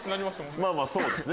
まぁまぁそうですね。